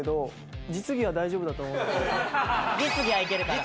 実技はいけるから。